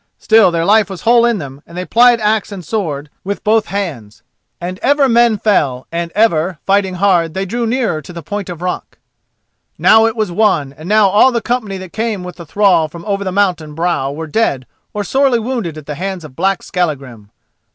Still, their life was whole in them and they plied axe and sword with both hands. And ever men fell, and ever, fighting hard, they drew nearer to the point of rock. Now it was won, and now all the company that came with the thrall from over the mountain brow were dead or sorely wounded at the hands of black Skallagrim.